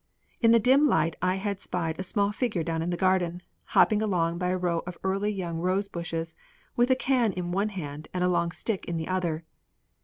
In the dim light I had spied a small figure down in the garden, hopping along by a row of early young rose bushes, with a can in one hand and a long stick in the other.